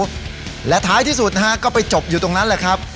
และท้ายที่สุดนะฮะก็ไปจบอยู่ตรงนั้นแหละครับ